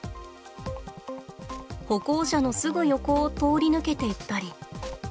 歩行者のすぐ横を通り抜けていったり。